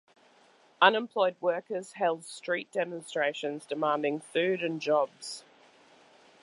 Unemployed workers held street demonstrations demanding food and jobs.